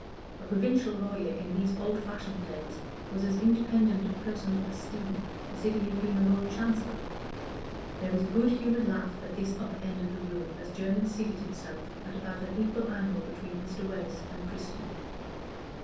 A provincial lawyer in those old fashioned days was as independent of personal esteem as if he had been a Lord Chancellor. There was a good humored laugh at this upper end of the room as Jermyn seated himself at about an equal angle between Mr. Wace and Christian.